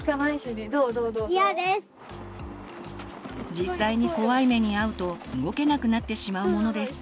実際に怖い目にあうと動けなくなってしまうものです。